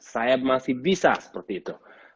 saya masih bisa seperti itu